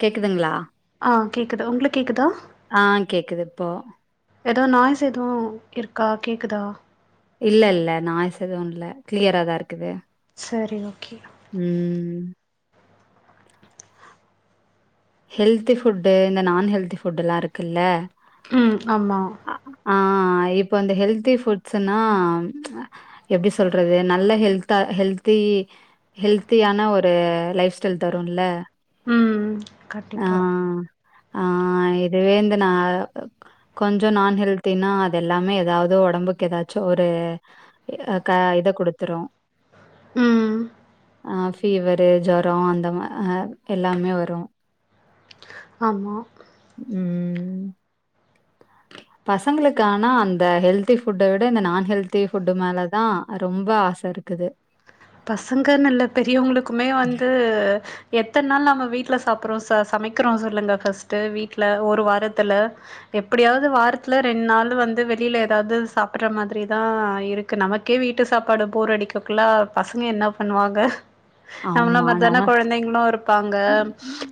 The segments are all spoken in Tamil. கேக்குதுங்ளா ஆ கேக்குது ஒங்ளுக் கேக்குதா ஆ கேக்குது இப்போ எதோ நாய்ஸ் எதுவு இர்க்கா கேக்குதா இல்ல இல்ல நாய்ஸ் எது இல்ல க்ளியரா தா இருக்குது சரி ஓகே [inaudible] ஹெல்த்தி ஃபுட்டு இந்த நான் ஹெல்தி ஃபுட் எல்லா இருக்குல்ல ம் ஆமா ஆ இப்ப இந்த ஹெல்தி ஃபுட்ஸுனா எப்டி சொல்றது நல்ல ஹெல்த்தா ஹெல்த்தி ஹெல்த்தியான ஒரு லைஃப் ஸ்டைல் தருல்ல ம் ஆ கண்டிப்பா ஆ இதுவே இந்து நா கொஞ்ச நான் ஹெல்தினா அது எல்லாமே எதாவ்து ஒடம்புக்கு எதாச்சு ஒரு இத க இத குடுத்துரு ம் அ ஃபீவரு ஜொரோ அந்த ம அ எல்லாமே வரு ஆமா ம் பசங்ளுக்கு ஆனா அந்த ஹெல்த்தி ஃபுட்ட விட இந்த நான் ஹெல்த்தி ஃபுட்டு மேலதா ரொம்ப ஆச இருக்குது பசங்கன இல்ல பெரியவுங்ளுக்குமே வந்து எத்தன் நாள் நம்ம வீட்ல சாப்புற்றோ ச சமக்கிறோ சொல்லுங்க ஃபஸ்ட்டு வீட்ல ஒரு வாரத்துல எப்புடியாவ்து வாரத்துல ரெண் நாள் வந்து வெளில எதாவ்து சாப்புற்ற மாதுரிதா இருக் கு நமக்கே வீட்டு சாப்பாடு போர் அடிக்கக்குல்ல பசங்க என்ன பண்ணுவாங்க நம்ள ஆமா மர்தான நம கொழந்தைங்ளு இருப்பாங்க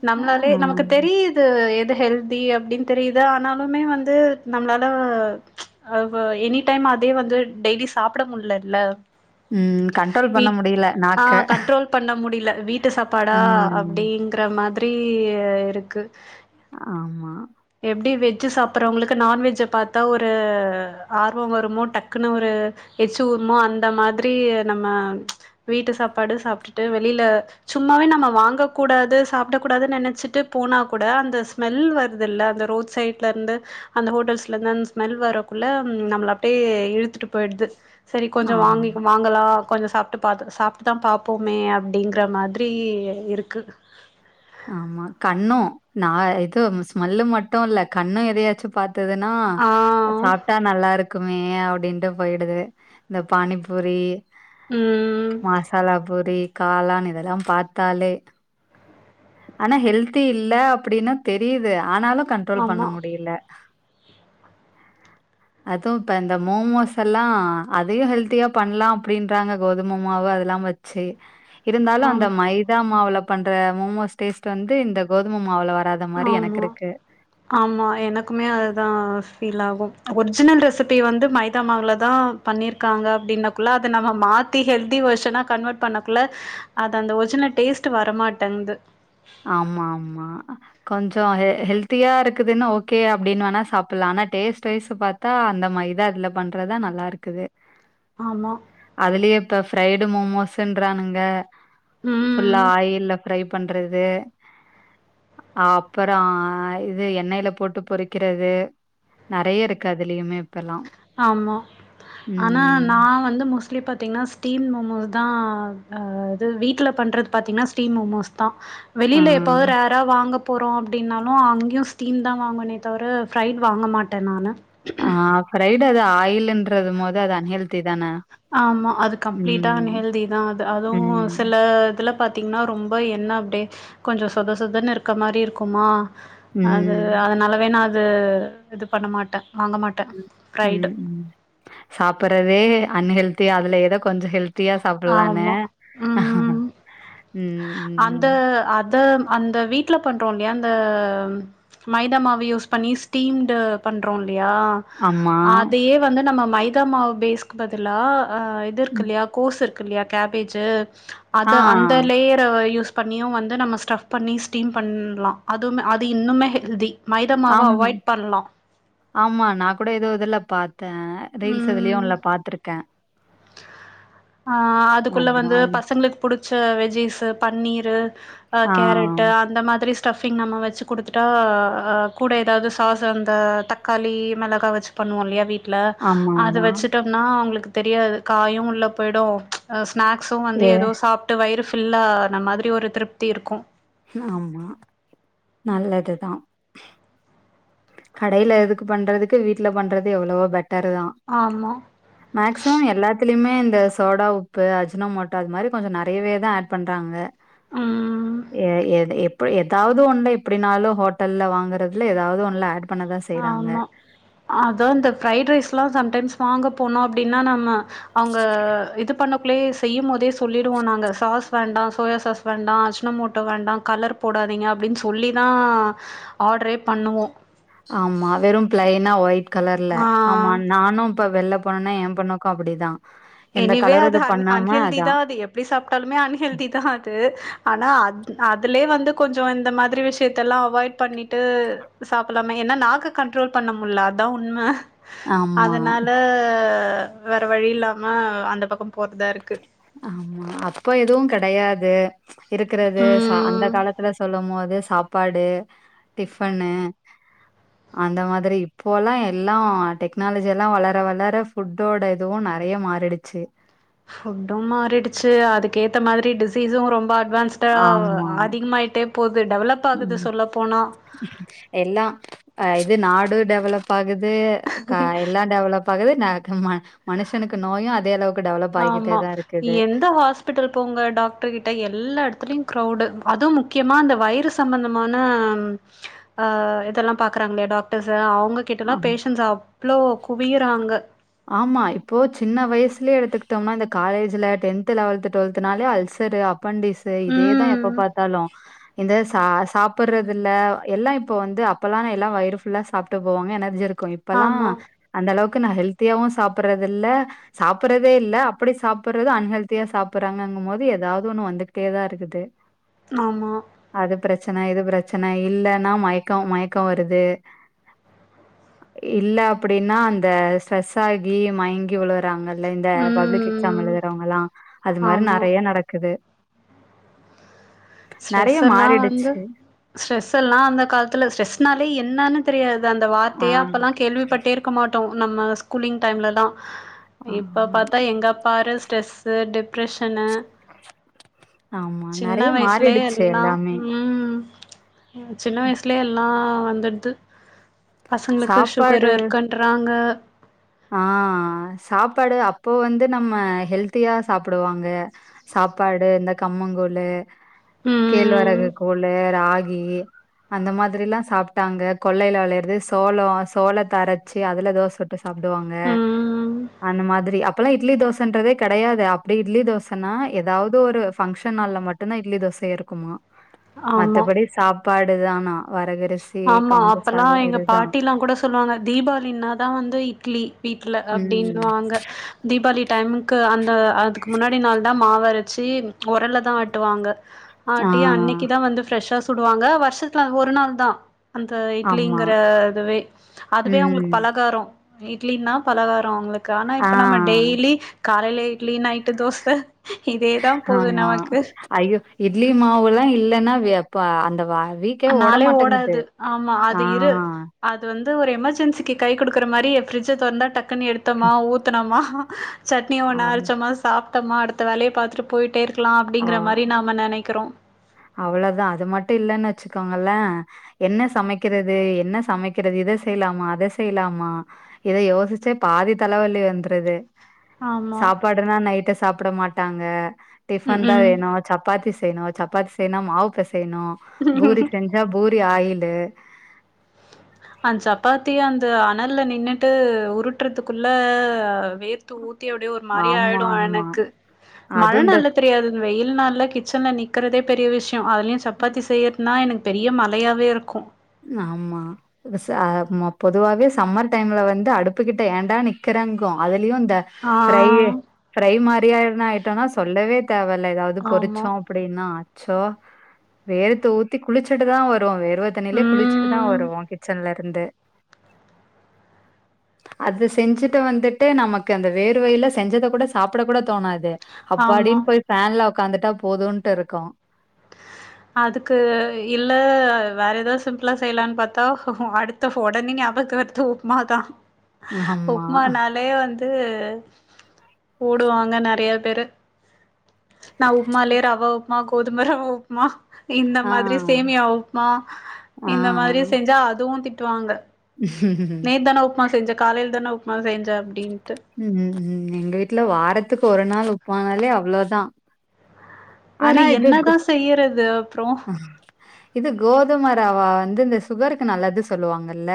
நம்ளாலே ஆ. நமக்கு தெரியி து எது ஹெல்தி அப்டின் தெரியிது ஆனாலுமே வந்து நம்ளால அ பொ எனி டைம் அதே வந்து டெய்லி சாப்புட முல்லல்ல ம் கண்ட்ரோல் பண்ண வீட் முடிய்ல ஆ நாக்க கண்ட்ரோல் பண்ண முடில வீட்டு சாப்பாடா ம். அப்டிங்ற மாத்ரி இருக்கு ஆமா எப்டி வெஜ்ஜி சாப்புற்றவுங்ளுக்கு நான்வெஜ்ஜ பாத்தா ஒரு ஆர்வ வருமோ டக்குனு ஒரு எச்சி ஊருமோ அந்த மாத்ரி நம்ம வீட்டு சாப்பாடு சாப்ட்டுட்டு வெளில சும்மாவே நம்ம வாங்கக் கூடாது சாப்டக் கூடாது நெனச்சிட்டு போனா கூட அந்த ஸ்மெல் வர் ருதுல்ல அந்த ரோட் சைட்லர்ந்து அந்த ஹோட்டல்ஸ்லந் அந்தா ஸ்மெல் வரக்குள்ள நம்ள அப்டே இழுத்துட்டு போய்ட்து சரி கொஞ்ச வாங்கி ஆமா, வாங்கலா கொஞ்ச சாப்ட்டு பாத் சாப்பிட்டு தா பாப்போமே அப்படிங்கற மாதிரி இருக்கு ஆமா கண்ணோ நா எது ஸ்மெல் மட்டு இல்ல கண்ணு எதயாச்சு பாத் துன்னா ஆ சாப்ட்டா நல்லா இருக்குமே அப்டிண்ட்டு போயிடுது இந்த பானிபூரி ம் மசாலா பூரி காளான் இதெல்லா பாத்தாலே ஆனா ஹெல்தி இல்ல அப்டின்னு தெரியுது ஆனாலு கண்ட்ரோல் பண்ண ஆமா முடியல [inaudible] அதுவு இப்ப இந்த மோமோஸ் எல்லா அதையு ஹெல்த்தியா பண்ணலா அப்படின்றாங்க கோது மொமவ அதெல்லா வச்சு இருந்தாலு அந்த ஆமா மைதா மாவுல பண்ற மொமோஸ் டேஸ்ட் வந்து இந்த கோதும மாவுல வராது ஆமா ஆமா எனக்குமே அதுதா ஃபீல் ஆகும் ஒரிஜினல் ரெசிபி வந்து மைதா மாவுல தா பண்ணிருக்காங்க அப்படின்னக்குள்ள அத நம்ம மாத்தி ஹெல்தி வெர்ஷனா கன்வெர்ட் பண்ணக்குள்ள அது அந்த ஒரிஜினல் டேஸ்ட் வரமாட்டேங்குது ஆமா ஆமா கொஞ்சோ ஹெல்தியா இருக்குதுன்னு ஓகே அப்டின்னு வேணா சாப்பிடலா ஆனா டேஸ்ட்வைஸ் பாத் தா அந்த மைதா இதுல பண்றதுதா நல்லா இருக்குது ஆமா அதுலயே இப்ப ஃரைடு மோமோஸ்ன்றானுங்க ஃபுல்லா ம் ஆயில்ல ஃப்ரை பண்றது அப்பறோ இது எண்ணெய்ல போட்டு பொறிக்கிறது நெறைய இருக்கு அதுலயுமே இப்பல்லா ஆமா ஆனா நா வந்து மொஸ்ட்லி பாத்திங்கன்னா ஸ்டீம் மோமோஸ் தா இது வீட்ல பண்றது பாத்தீங்கன்னா ஸ்டீம் மோமோஸ் தா ஆ வெளியில எப்பவாது ரேரா வாங்க போறோ அப்படின்னாலு அங்கேயு ஸ்டீம் தா வாங்குவேனே தவிர ஃரைட் வாங்க மாட்டே நானு ஆ ஃரைட் அது ஆயல்ன்றது மோது அது அன்ஹெல்த்தி ஹெல்த்தி தானா ஆமா அது கம்ப்ளீட்டா அன் ஹெல்தி தா அது அதுவு சில ம் இதுல பாத் பாத்தீங்கன்னா ரொம்ப என்ன அப்டியே கொஞ்சோ சொத சொதன்னு இருக்க மாரி இருக்குமா அது ம் அதனாலவே நா அது இது பண்ண மாட்டே வாங்க மாட்டே ம் சாப்பறதே அன்ஹெல்தி அதுல எத கொஞ்ச ஹெல்த் ஹெல்த்தியா சாப்பிடலானு ஆமா ம் ம் அந்த ம் அத அந்த வீட்ல பண்றோ இல்லையா அந்த மைதா மாவு யூஸ் பண்ணி ஸ்டீம்டு பண்றோ இல்லையா ஆமா அதையே வந்து நம்ம மைதா மாவு பேஸ்கு பதிலா அ இது இருக்கு ம். இல்லையா கோஸ் இருக் கில்லையா கேபேஜ் ஆ அது அந்த லேயர் யூஸ் பண்ணியு வந்து நம்ம ஸ்டப் பண்ணி ஸ்டீம் பண்ணலா அதுவு அது இன்னுமே ஹெல்தி மைதா மாவ ஆம் அவாய்ட் பண்லா ஆமா நா கூட ஏதோ இதுல பார்த்தே ரீல்ஸ் இதுலயோ ம் ஒன்னுல பா்த்திருக்கே ஆ அதுக்குள்ள வந்து பசங்களுக்கு புடிச்ச வெஜிஸ் பன்னீரு ஆ கேரட் அந்த மாதிரி ஸ்டஃபிங் நம்ம வச்சு கொடுத்துட்டா கூட ஏதாவது சாஸ் அந்த தக்காளி மெளகா வச் பண்ணுவோ இல்லியா வீட்ல ஆமா அது ஆமா வச்சுட்டோம்னா அவுங்களுக்கு தெரியாது காயு உள்ள போயிடு ஸ்நாக்ஸ்சு வந்து ஏ எதோ சாப்ட்டு வயிறு ஃபில்ல ஆன மாதிரி ஒரு திருப்தி இருக்கு ஆமா நல்லதுதா கடையில எதுக்கு பண்றதுக்கு வீட்ல பண்றது எவ்ளோவோ பெட்டரு தா ஆமா மேக்சிமம் எல்லாத்துலேயுமே இந்த சோடா உப்பு அஜ்னோ மோட்டா அது மாதிரி கொஞ்சோ நைறையவே தா ஆட் பண்றாங்க ம் [unintelligible] ஏ எப்ப எதாவுது ஒண்ணுல எப்டினாலு ஹோட்டல்லல வாங்கறதுல எதாவுது ஒண்ணு ஆட் பண்ணதான் செய்யறாங்க ஆமா அதா இந்த பிரஃரைட் ரைஸ் எல்லா சம்டைம்ஸ் வாங்க போனா அப்டின்னா நம்ம அவுங்க இது பண்ண செய்யுபோதே சொல்லிடுவோ நாங்க சாஸ் வேண்டா சோயா சாஸ் வேண்டா அஜன மோட்டோ வேண்டா கலர் போடாதீங்க அப்டின்னு சொல்லி தா‌ ஆர்டரே பண்ணுவோ ஆம்மா வெறு பிளைனா ஒயிட் கலர்ல ஆ ஆமா நானு இப்ப வெளில போனனா ஏ பொண்ணக்கு அப்டிதா எனிவே அது அ அன்ஹெ்திதா அதான் அது எப் எப்டி சாப்பிட்டாலுமே அன்ஹெல்தி தா அது ஆனா அதுலே வந்து கொஞ்சோ இந்த மாதிரி விஷியத்த எல்லா அவாய்ட் பண்ணிட்டு சாப்பலாம ஏனா நாக்க கண்ட்ரோல் பண்ண முல்ல அதா உண்ம ஆமா அதனால வேற வழி இல்லாம அந்த பக்கோ போறதா இருக்கு ஆமா அப்ப எதுவு கெடையாது இருக்குறது ச அந்த ம் காலத்துல சொல்லு போது சாப் சப்பாடு டிஃபன்னு அந்த மாதிரி இப்போல்லா எல்லா டெக்னாலஜி எல்லா வளர வளர ஃபுட்டோட இதுவு நெறைய மாறிடுச்சு ஃபுட்டு மாறிடுச்சு அதுக்கேத்த மாதிரி டிசீஸம் ரொம்ப அட்வான்ஸ் ட்டா ஆமா அதிகமாயிட்டே போகுது டெவலப் ஆகுது ம் சொல்ல போனா எல்லா இது நாடு டெவலப் ஆகுது எல்லா டெவலப் ஆகுது மனுஷனுக்கு நோயு அதே அளவுக் ஆமா எந்த ஹாஸ் பிட்டல் போங்க டாக்டர் கிட்ட எல்லா எடத்துலயு ஃகிரவுடு அதுவு முக்கியமா அ வைரஸ் த் சம்பந்தமான அ இதெல்லா பாக்குறாங்களா டாக்டர்ஸ் அவுங்க கிட்டலா ஆமா பேஷன்ஸ் அவ்ளோ குவியிறாங்க ஆமா இப்போ சின்ன வயசுலயே எடுத்துக்கிட்டோம்னா இந்த காலேஜ்ல டென்த் லெவன்த் டுவெல்தனாலே அல்சர் அப்பண்டிஸ்சு இதேதா எப்ப ம் பாத்தாலு இந்த சா சாப்பிற்றதுல்ல எல்லா இப்போ வந்து அப்போலா எல்லா வயிறு ஃபுல்லா சாப்பிட்டு போவாங்க எனர்ஜி க்கு இப்பெல்லா ஆமா அந்த அளவுக்கு நா ஹெல்த்தியாவு சாப்படுறது இல்ல சாப்பிறதே இல்ல அப்டி சாப்பிடுறது அன்ஹெல்தியா சாப்பிற்றாங்கு போது எதாவுது ஒண்ணு வந்துகிட்டேதா இருக்குது [unintelligible] ஆமா அது பிரச்சன இது பிரச்சன இல்லன்னா மயக்கோ மயக்கோ வருது இல்ல அப்டின்னா அந்த ஸ்ட்ரெஸ் ஆகி மயங்கி விழு றாங்கள்ள இந்த பப்ளிக் எக்ஸாம் ம் எழுதுறவங்கல்லா அது மாரி ஆமா நெறைய நடக்குது நெறைய ஸ்ட்ரெஸ் எல்லா வந்து மாறிடுச்சு ஸ்ட்ரெஸ் எல்லா அந்த காலத்துல ஸ்டரெஸ்னாலே என்னன்னு தெரியாது அந்த ஆ வார்த்தையா அப்பல்லா கேள்விப்பட்டே இரு இருக்க மாட்டோ நம்ம ஸ்கூலிங் டைம்லல்லா இப்ப ஆமா பாத்தா எங்கப்பாரு ஸ்ட்ரெஸ்ஸு டிப்ரெஷன்னு ஆமா நெறய மா சுலே எல்லா ம் சின்ன வயசுலயே எல்லா வந்துடுது பசங்களுக்கு சுகர் சாப்பாடு இருக்குன்றாங்க ஆ சாப்பாடு அப்போ வந்து நம்ம ஹெல்த்தியா சாப்பிடுவாங்க சாப்பாடு இந்த கம்மங்கூலு கேழ்வரகு ம் கூலு ராகி அந்த மாதிரிலா சாப்பிட்டாங்க கொள்ளையில விளையறது சோளோ சோளத்தரைச்சி அதுல தோச சுட்டு சாப்பிடுவாங்க ம் அந்த மாதிரி அப் ப லாம் இட்லி தோசன்றதே கெடயாது அப்டி இட்லி தோசன்னா ஏதாவது ஒரு ஃபங்க்ஷன் ஹால்ல மட் டு்ந்தா இட்லி தோசை இருக்குமா ஆமா மத்தபடி சாப்பாடு தானா வரகரிசி ஆமா கம்பு அப்பல்லா சாத எங்க இதுதா பாட்டிலா கூட சொல்லுவாங்க தீபாவளினாதா வந்து இட்லி வீட்டு்ல அப்படின்னு ம். வாங்க தீபாளி டைமுக்கு அந்த அதுக்கு முன்னாடி நாள் தா மாவரச்சி உரல்ல தா ஆட்டுவாங்க ஆ ஆட்டி அன்னிக்கு தா வந்து ஃபிரஷா சா புடுவாங்க வர்ஷத்துல அ ஒரு நாள் தா அந்த ஆமா. இட்லிங்கிற இதுவே அதுவே அவங்களுக்கு ம். பலகாரோ இட்லின்னா பலகாரோ அவங்களுக்கு ஆனா ஆ இப்ப நம்ம டெய்லி காலேல இட்லி நைட்டு தோச இதே தா போது ஆமா. நமக்கு ஐயோ இட்லி மாவுல்லா இல்லன்னா ப அந்த வா வீ அந் நாளே ஓடாது ஆமா அது இரு அது வந்து ஒரு எமர்ஜென்சிக்கு கை குடுக்குற மாரி ஃப்ரி்ஜ தொறந்தா டக் குனு எடுத்தோமா ஊத்தனமா சட்னி ஆ ஒன்ன அரச்சமா சாப்ட்டம்மா அடுத்த வேலய பாத்துட்டு போயிட்டே இருக்கலா அப்படிங்கிற ஆ. மாரி நாம நெனைக்கிறோ அவ்ளோதா அது மட்டு இல்லன்னு வச்சுக்கோங்களே என்ன சமைக்கிறது என்ன சமைக்கிறது இத செய்லாமா அத செய்லாமா இத யோசிச்சே பாதி தலவலி வந்துருது ஆமா சாப்பாடுனா நைட்டு சாப்ட மாட்டாங்க ம் டிஃபன் தா ம் வேணு சப்பாத்தி செய்யணு சப்பாத்தி செய்யனா மாவு பெசயணு பூரி செஞ்சா பூரி ஆயிலு அந்த் சப்பாத்தி அந்த அனல்ல நின்னுட்டு உருட்டுறதுக்குள்ள வேர்த் து ஊத்தி அப்டியே ஒரு மாரி ஆமா ஆயிடு ஆமா எனக்கு மழ அதுவு இந்த நாள்ல தெரியாது வெயில் நாள்ல கிச்சன்ல நிக்குறதே பெரிய விஷ்யோ அதுலயு சப்பாத்தி செய்யரத் னா எனக் பெரிய மலையாவே இருக்கு ஆமா ஸ் அ மா பொதுவாவே சம்மர் டைம்ல வந்து அடுப்புகிட்ட ஏண்டா நிக்கிறங்கு அதுலயு இந்த ஆ தை ஃப்ரை மாரியான ஆயிட்டோனா சொல்லவே தேவல்ல ஏதாவது ஆமா பொறிச்சோ அப்படினா அச்சோ வேர்த்து ஊத்தி குளிச்சுட்டு தா வருவோ வேர்வ தண்ணிலே குளிச்சுட்டுதா ம் வருவோ கிச்சன் லருந்து அது செஞ்சுட்டு வந்துட்டு நமக்கு அந்த வேர்வைல செஞ்சத கூட சாப்பிட கூட தோணாது ஆமா அப்பாடின் போய் ஃபேன்ல உக்காந்துட்டா போதுன்ட்டு இருக்கு அதுக்கு இல்ல வேற ஏதாது சிம்ப்ளா செய்லான் பாத்தா அடுத் த ஒடனே ங்க அபுக்கெடுத்து உப்மா தா [unintelligible] ஆமா உப்மா நாலே வந்து ஓடுவாங்க நெறய பேரு நா உப்மாலேயே ரவ உப்மா கோதும ரவ உப்மா இந்த ஆ மாதிரி சேமியா உப்மா ஆ இந்த மாதிரி செஞ்சா அதுவு திட்டுவாங்க நேத் தானே உப்மா செஞ்சே காலையில தானே உப்மா செஞ்சே அப்டின்ட்டு ம் ம் எங்க வீட்ல வாரத்துக்கு ஒரு நாள் உப்மானாலே அவ்ளோதா வேற ஆனா இது கோ என்னதா செய்றது அப்றோ இது கோதுமரவா வந்து இந்த சுகருக்கு நல்லது சொல்லுவாங்கல்ல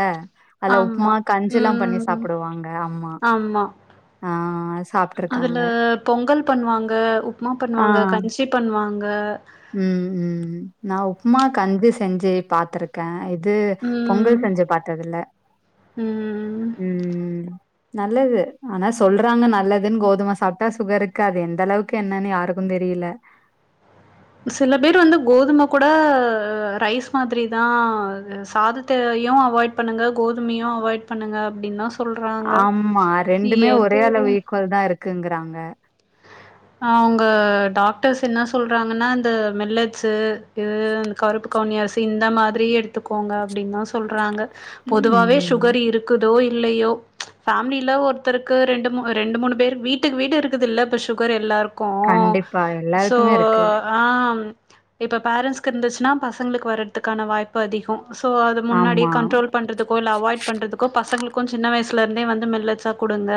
அதுல ஆமா உப்மா கஞ்சில்லா பண்ணி ம் சாப்டுவாங்க ஆமா அதுல பொங்கல் பண்ணுவாங்க உப்மா ஆ பண்ணுவாங்க கஞ்சி பண்வாங்க ம் ம் ம் நா உப்மா கஞ்சி செஞ்சு பாத்ருக்கே இது ம் பொங்கல் செஞ்சு பாத்தது இல்ல ம் நல்லது ஆனா சொல்றாங்க நல்லதுன் கோதும சாப்ட்டா சுகருக்கு அது எந்த அளவுக் கு என்னன்னு யாருக்கு தெரில சில பேர் வந்து கோதும கூட ரைஸ் மாதிரி தா சாதத்தையு அவாய்ட் பண்ணுங்க கோதுமையு அவாய்ட் பண்ணுங்க அப்டின் தா ஆமா ரெண்டுமே ஒரே அளவு ஈக்குலள் தா இருக்குங்றாங்க அவுங்க டாக்டர்ஸ் என்ன சொல்றாங்கன்னா இந்த மில்லட்ஸு இது கருப்பு கவுன்னி அரிசி இந்த மாதிரி எத்துக்கோங்க அப்டின்தா சொல்றாங்க பொதுவாவே ம். சுகர் இருக்குதோ இல்லையோ ஃபேம்லில ஒருத்தருக்கு ரெண்டு ரெண்டு மூணு பேர் வீட்டுக்கு வீடு இருக்குது இல்ல இப்ப சுகர் எல்லாருக் கு கண்டிப்பா. சோ எல்லாருக்குமே இருக்கு. அதா இப்போ பேரண்ட்ஸ்க்கு இருந்துச்சுன்னா பசங்களுக்கு வர்றதுக்கான வாய்ப்பு அதிகோ ஸோ அது முன்னாடியே ஆமா. கண்ட்ரோல் பண்ணுறதுக்கோ இல்ல அவாய்ட் பண்றதுக்கோ பசங்ளுக்கு சின்ன வயசுல இருந்தே வந்து மில்லட்ஸ்ஸ குடுங்க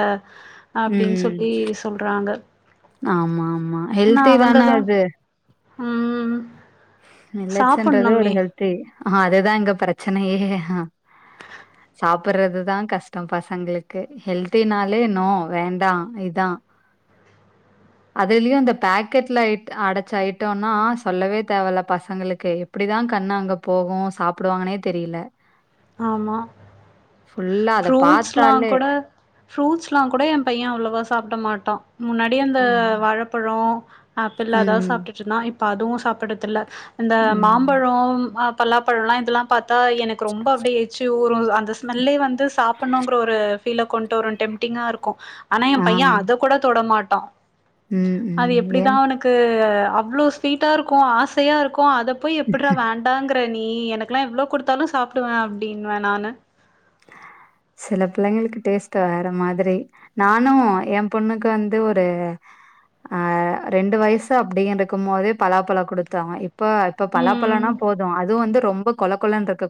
அப்டின் சொல்லி சொல்றாங்க ஆமா ஆமா ஆமா ஆனா ஹெல்த்தி அவங்க தான தா அது. ம்‌ ம் மில்லட்ஸ்சுன்றது ஒரு சாப்புட்ணுமே ஹெல்தி ஆ அதுதா இங்க பிரச்சனையே அ [inaudible] சாப்புட்றது தா கஷ்டோ பசங்ளுக்கு ஹெல்த்தினாலே நோ வேண்டா இதா அதுலியு இந்த பேக்கெட்ல அடைச்ச ஐட்டம்னா சொல்லவே தேவல பசங்களுக்கு எப்டிதா கண்ணு அங்க போகு சாப்டுவாங்கன்னே தெரில ஆமா ஃபுல்லா அத ஃப்ரூட்ஸ்லா பார்த்தாலே கூட ஃப்ரூட்ஸ்ல்லா கூட எ பைய அவ்ளவோ சாப்ட மாட்டா முன்னாடி அந்த ம். வாழைப்பழோ ஆப்பிள்ளதா ம். சாப்ட்டுட்டு இருந்தா இப்ப அதுவு சாப்புடுறதில்ல இந்த மா ம். ம்பழோ பலாப்பழோ இதெல்லா பாத்தா எனக்கு ரொம்ப அப்டியே ஏச்சு ஊரு அந்த ஸ்மெல்லே வந்து சாப்புட்ணுங்ற ஒரு ஃப்பீல கொண்டு வரு டெம்டிங்கா இருக்கு ஆனா எ ஆ. பைய அத கூட தொடமாட்டா ம் ம் அது ஏன் எப்டிதா அவனுக்கு அவ்ளோ ஸ்வீட்டா இருக்கு ஆசையா இருக்கு அத போய் எப்புட்றா வேண் ங்குர நீ எனக்கெல்லா எவ்ளோ குடுத்தாலு சாப்டுவே அப்டின்வ நானு சில புள்ளைங்ளுக்கு டேஸ்ட் வேற மாதிரி நானு எ பொண்ணுக்கு வந்து ஒரு அ ரெண்டு வயசு அப்டி இருக்கு போதே பலாப்பழோ குடுத்தோ இப்ப இப்ப பலாப்பழனா ம். போது அதுவு வந்து ரொம்ப கொல கொலனு இருக்க